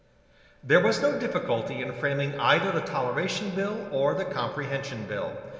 There was no difficulty in framing either the Toleration Bill or the Comprehension Bill.